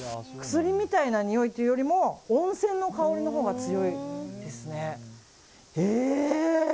薬みたいな感じというよりも温泉の香りのほうが強いですね。